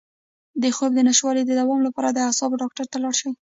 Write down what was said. د خوب د نشتوالي د دوام لپاره د اعصابو ډاکټر ته لاړ شئ